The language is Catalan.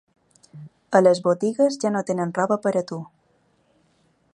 A les botigues ja no tenen roba per a tu.